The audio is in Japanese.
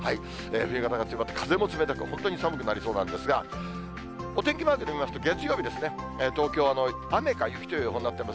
冬型が強まって、風も冷たく、本当に寒くなりそうなんですが、お天気マークで見ますと、月曜日ですね、東京は雨か雪という予報になってます。